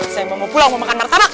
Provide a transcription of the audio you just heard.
saya mau pulang mau makan martabak